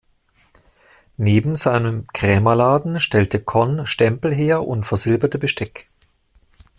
Neben seinem Krämerladen stellte Conn Stempel her und versilberte Besteck.